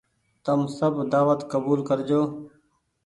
تم سب دآوت ڪبول ڪرجو۔